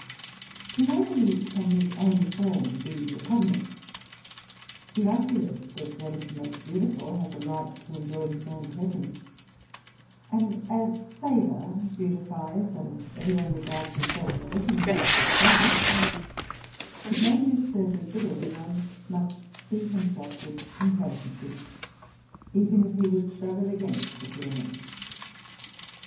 To nobody ean his own form be repugnant; the ugliest, as well as the most beautiful, has a right to enjoy his own presence: and as favor beautifies, and every one regards himself in the looking glass with favor, it may be asserted that every one must see himself with complacency, even if be would struggle against the feeling.